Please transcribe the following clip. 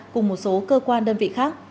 cùng một số cơ quan đơn vị khác